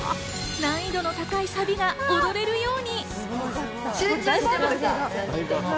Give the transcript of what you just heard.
難易度が高いサビが踊れるように！